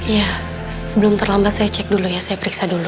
ya sebelum terlambat saya cek dulu ya saya periksa dulu